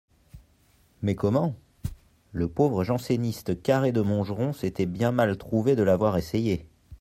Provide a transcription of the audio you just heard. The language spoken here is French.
Mais comment ? Le pauvre janséniste Carré de Montgeron s'était bien mal trouvé de l'avoir essayé.